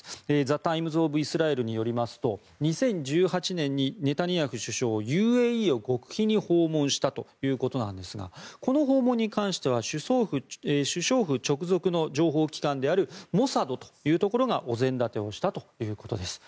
ザ・タイムズ・オブ・イスラエルによりますと２０１８年にネタニヤフ首相ＵＡＥを極秘に訪問したということですがこの訪問に関しては首相府直属の情報機関であるモサドというところがお膳立てをしたということです。